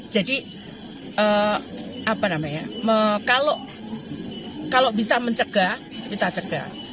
jadi kalau bisa mencegah kita cegah